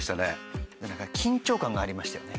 緊張感がありましたよね